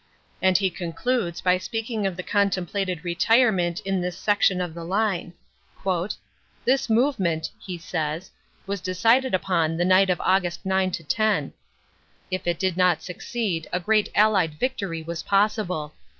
And he concludes by speaking of the con templated retirement in this section of the line. "This move ment," he says, "was decided upon the night of Aug. 9 10. If it did not succeed a great allied victory was possible."